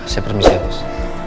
saya permisi ya bos